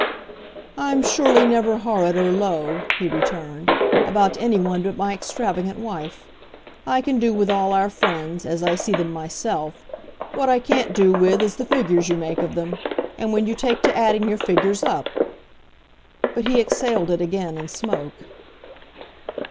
"I'm surely never horrid or low," he returned, "about anyone but my extravagant wife. I can do with all our friends as I see them myself: what I can't do with is the figures you make of them. And when you take to adding your figures up !" But he exhaled it again in smoke.